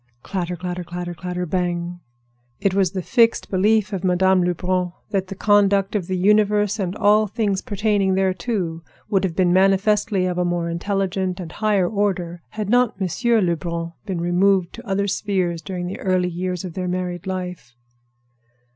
Clatter, clatter, clatter, clatter, bang! It was a fixed belief with Madame Lebrun that the conduct of the universe and all things pertaining thereto would have been manifestly of a more intelligent and higher order had not Monsieur Lebrun been removed to other spheres during the early years of their married life.